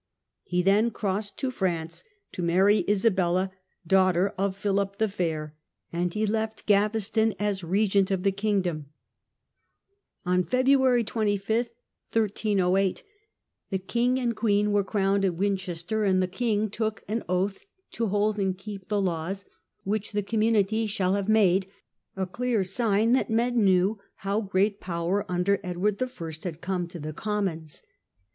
He then crossed to France to marry Isabella, daughter of Philip the Fair, and he left Gaveston as regent CM 78) o 98 BARONAGE AND KING. of the kingdom. On February 25, 1308, the king and queen were crowned at Winchester; and the king took an oath to hold and keep the laws "which the community shall have made ", a clear sign that men knew how great power under Edward I. had come to the Commons.